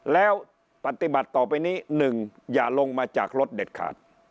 แล้วปฏิบัติต่อไปนี้๑อย่าลงมาจากรถเด็ดขาด